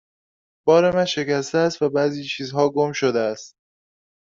بار من شکسته است و بعضی چیزها گم شده است.